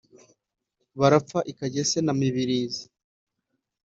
barapfa i kagese na mibirizi